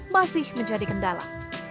masih menjadi kendala